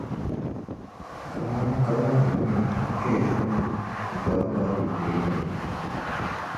kaman kalinli yini kpe n-gabila di kpee ni.